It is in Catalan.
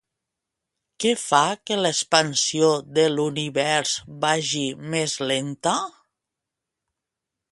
Què fa que l'expansió de l'univers vagi més lenta?